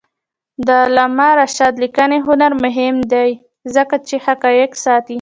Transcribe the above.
د علامه رشاد لیکنی هنر مهم دی ځکه چې حقایق ساتي.